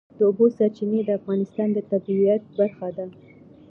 د اوبو سرچینې د افغانستان د طبیعت برخه ده.